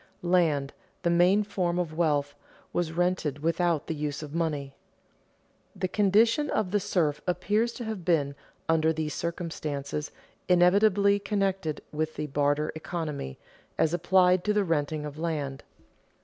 [Sidenote: Land, the main form of wealth, was rented without the use of money] The condition of the serf appears to have been, under these circumstances, inevitably connected with the "barter economy" as applied to the renting of land.